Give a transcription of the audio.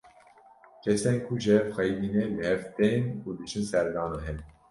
Kesên ku ji hev xeyidîne li hev tên û diçin serdana hev.